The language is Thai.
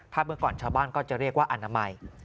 ถ้าเมื่อก่อนชาวบ้านก็จะเรียกว่าอนามัย